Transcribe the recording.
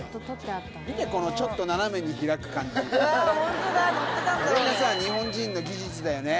見て、うわー、これがさ、日本人の技術だよね。